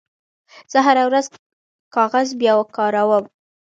زه هره ورځ کاغذ بیاکاروم.